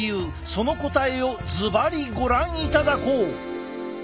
その答えをずばりご覧いただこう。